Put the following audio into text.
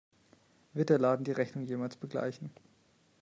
Wird der Laden die Rechnung jemals begleichen?